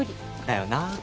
だよな。